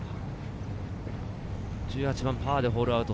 １８番、パーでホールアウト。